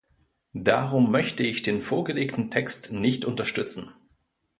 Darum möchte ich den vorgelegten Text nicht unterstützen.